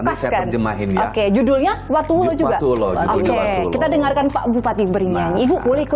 di situ batu uloh itu ada batu uloh